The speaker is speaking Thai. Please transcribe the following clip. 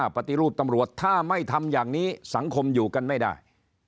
ปฏิรูปตำรวจถ้าไม่ทำอย่างนี้สังคมอยู่กันไม่ได้